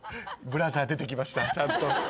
ブラザー出てきましたちゃんと。